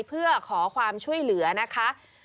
เพื่อขอความช่วยเหลือนะคะ